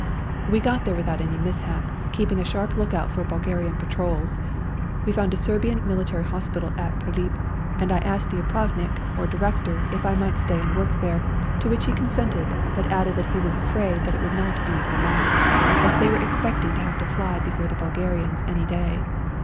We got there without any mishap, keeping a sharp look out for Bulgarian patrols. We found a Serbian military hospital at Prilip, and I asked the Upravnik or Director if I might stay and work there, to which he consented, but added that he was afraid that it would not be for long. REJOINING THE SERBIANS 7 as they were expecting to have to fly before the Bulgarians any day.